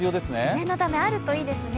念のため、あるといいですね